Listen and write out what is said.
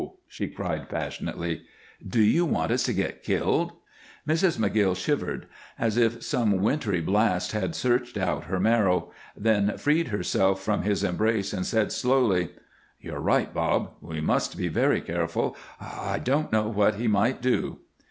she cried, passionately. "Do you want us to get killed?" Mrs. McGill shivered as if some wintry blast had searched out her marrow, then freed herself from his embrace and said, slowly: "You're right, Bob. We must be very careful. I I don't know what he might do."